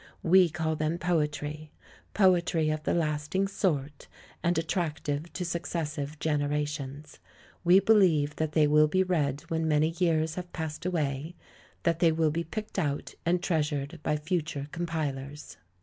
We call them poetry ; poetry of the lasting sort, and attractive to successive generations. We believe that they will be read when many years have passed away; that they will be picked out and treasured by future compilers.'